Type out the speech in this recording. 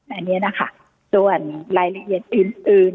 อันนี้นะคะส่วนรายละเอียดอื่น